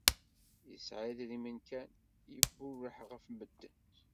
Yesɛa idrimen kan, yebburref ɣef medden